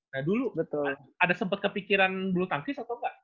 nah dulu ada sempat kepikiran bulu tangkis atau nggak